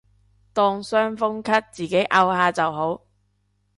當傷風咳自己漚下就好